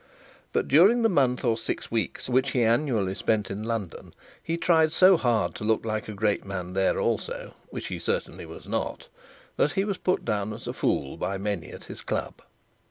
But during the month or six weeks which he annually spent in London, he tried so hard to look like a great man there also, which he certainly was not, that he was put down as a fool by many at his club.